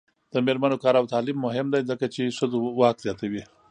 د میرمنو کار او تعلیم مهم دی ځکه چې ښځو واک زیاتوي.